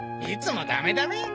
いつもダメダメ？